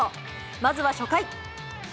まずは初回。